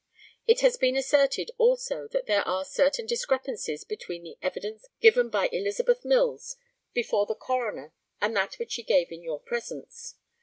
It has been asserted also that there are certain discrepancies between the evidence given by Elizabeth Mills before the coroner and that which she gave in your presence.